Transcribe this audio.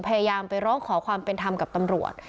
พยายามไปร้องขอความเป็นธรรมกับตำรวจ